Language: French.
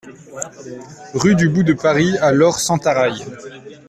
Rue du Bout de Paris à Lorp-Sentaraille